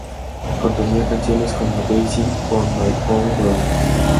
Contenía canciones como "Dancing on My Own Ground".